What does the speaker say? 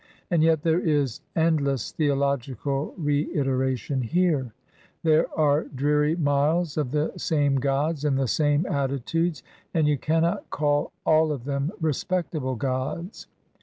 And yet there is endless theological reiteration here; there are dreary miles of the same gods in the same attitudes; and you cannot call all of them respectable gods.